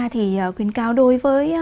thì khuyến cáo đối với